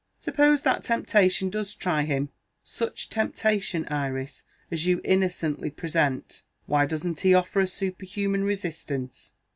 Suppose that temptation does try him such temptation, Iris, as you innocently present why doesn't he offer a superhuman resistance?